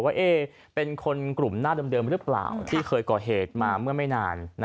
ว่าเป็นคนกลุ่มหน้าเดิมหรือเปล่าที่เคยก่อเหตุมาเมื่อไม่นาน